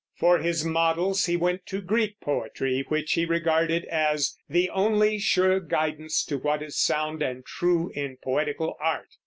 For his models he went to Greek poetry, which he regarded as "the only sure guidance to what is sound and true in poetical art."